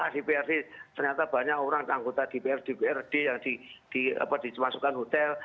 dprd ternyata banyak orang anggota dpr dprd yang dimasukkan hotel